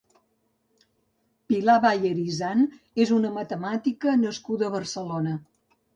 Pilar Bayer i Isant és una matemàtica nascuda a Barcelona.